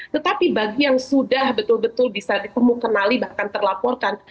tetapi bagi yang sudah betul betul bisa dikemukali bahkan terlaporkan